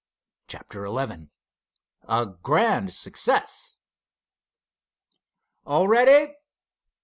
CHAPTER XI A GRAND SUCCESS "All ready!"